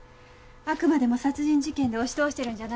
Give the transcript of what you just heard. あくまでも殺人事件で押し通してるんじゃないの？